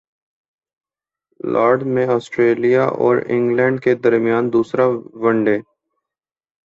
Lords میں Australia اور England کے درمیان دوسرا ون ڈے